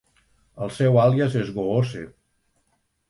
El seu àlies es Goose.